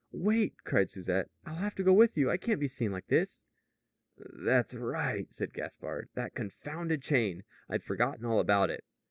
"Wait," cried Susette. "I'll have to go with you, and I can't be seen like this." "That's right," said Gaspard. "That confounded chain! I'd forgotten all about it."